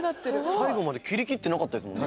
最後まで切りきってなかったですもん。